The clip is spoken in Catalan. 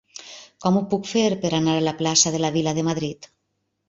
Com ho puc fer per anar a la plaça de la Vila de Madrid?